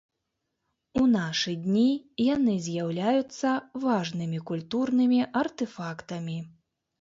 У нашы дні яны з'яўляюцца важнымі культурнымі артэфактамі.